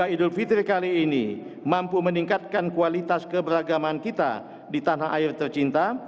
idul fitri kali ini mampu meningkatkan kualitas keberagaman kita di tanah air tercinta